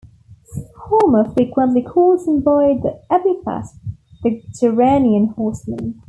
Homer frequently calls him by the epithet the Gerenian horseman.